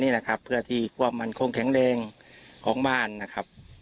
นี่แหละครับเพื่อที่ความมั่นคงแข็งแรงของบ้านนะครับ